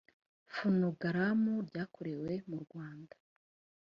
fonogaramu ryakorewe mu rwanda